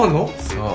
そう。